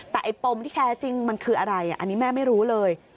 แต่ไอ้ปมที่แท้จริงมันคืออะไรอันนี้แม่ไม่รู้เลย